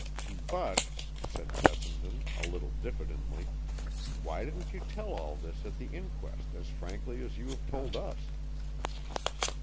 "But," said Fessenden, a little diffidently, "why didn't you tell all this at the inquest as frankly as you have told us?"